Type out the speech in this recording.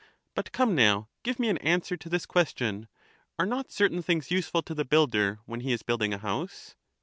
But come now. give me an answer to this question. Are not certain things useful to the builder when he is building a house?